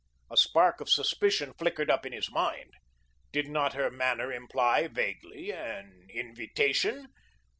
A spark of suspicion flickered up in his mind. Did not her manner imply, vaguely, an invitation?